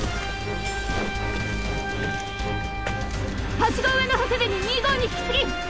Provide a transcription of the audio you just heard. はしご上の長谷部に２５２引き継ぎ。